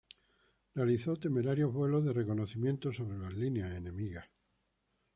Realizó temerarios vuelos de reconocimiento sobre las líneas enemigas.